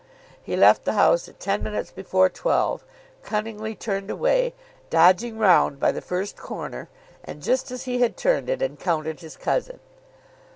He left the house at ten minutes before twelve, cunningly turned away, dodging round by the first corner, and just as he had turned it encountered his cousin.